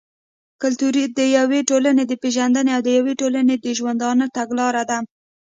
کلتور د يوې ټولني د پېژندني او د يوې ټولني د ژوندانه تګلاره ده.